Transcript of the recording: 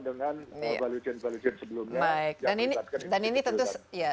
dengan value chain value chain sebelumnya